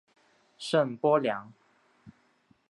圣波良。